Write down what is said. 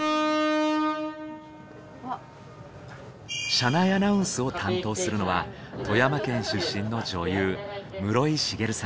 車内アナウンスを担当するのは富山県出身の女優室井滋さん。